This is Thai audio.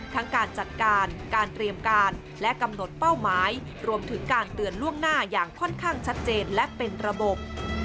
การจัดการการเตรียมการและกำหนดเป้าหมายรวมถึงการเตือนล่วงหน้าอย่างค่อนข้างชัดเจนและเป็นระบบ